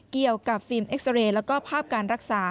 เกี่ยวกับฟิล์มเอ็กซาเรย์แล้วก็ภาพการรักษา